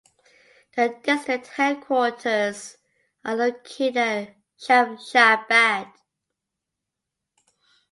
The district headquarters are located at Shamshabad.